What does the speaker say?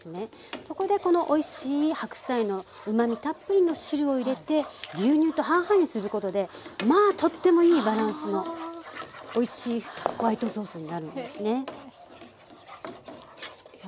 ここでこのおいしい白菜のうまみたっぷりの汁を入れて牛乳と半々にすることでまあとってもいいバランスのおいしいホワイトソースになるんですね。